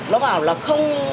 nó bảo là không